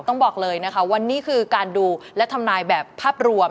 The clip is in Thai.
ต้องบอกเลยนะคะว่านี่คือการดูและทำนายแบบภาพรวม